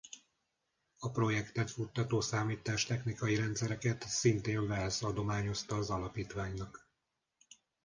A projekteket futtató számítástechnikai rendszereket szintén Wales adományozta az alapítványnak.